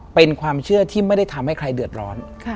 เป็นความเชื่อที่ไม่ได้ทำให้ใครเดือดร้อน